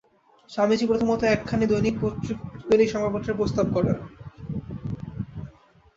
স্বামীজী প্রথমত একখানি দৈনিক সংবাদপত্রের প্রস্তাব করেন।